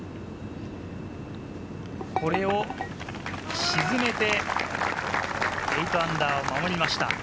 これを沈めて−８を守りました。